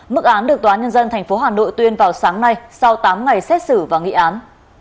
mức án được tòa nhân dân tp hà nội tuyên vào sáng nay sau tám ngày xét xử và nghị án